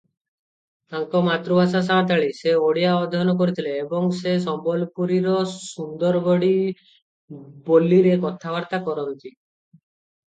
ତାଙ୍କ ମାତୃଭାଷା ସାନ୍ତାଳୀ, ସେ ଓଡ଼ିଆ ଅଧ୍ୟୟନ କରିଥିଲେ ଏବଂ ସେ ସମ୍ବଲପୁରୀର ସୁନ୍ଦରଗଡ଼ୀ ବୋଲିରେ କଥାବାର୍ତ୍ତା କରନ୍ତି ।